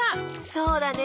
そうだね。